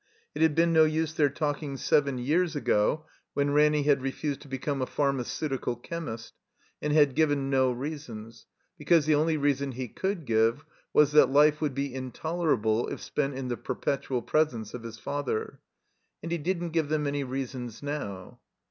It had been no use their talking seven years ago, when Ranny had refused to become a Pharmaceutical Chemist, and had given no rea sons, because the only reason he could give was that life would be intolerable if spent in the perpetual presence of his father. And he didn't give them any reasons now.